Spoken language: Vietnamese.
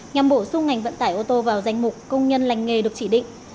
nhằm bổ sung ngành vận tải ô tô vào danh mục công nhân lành nghề được chỉ định